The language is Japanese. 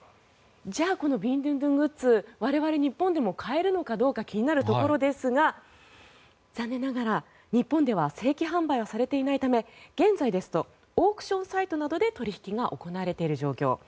じゃあこのビンドゥンドゥングッズ我々、日本でも買えるのかどうか気になるところですが残念ながら日本では正規販売はされていないため現在ですとオークションサイトなどで取引が行われている状況。